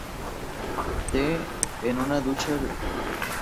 T en una lucha de boxeo, que perdió Piper al ser descalificado.